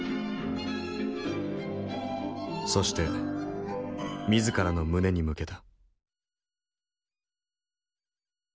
そして自らの胸に向けた。